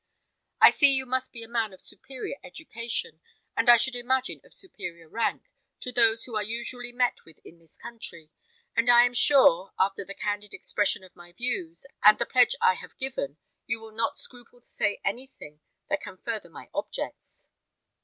I see you must be a man of superior education, and I should imagine of superior rank, to those who are usually met with in this country; and I am sure, after the candid expression of my views, and the pledge I have given you will not scruple to say anything that can further my objects."